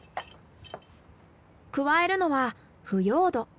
加えるのは腐葉土。